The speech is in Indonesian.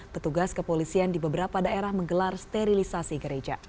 petugas kepolisian di beberapa daerah menggelar sterilisasi gereja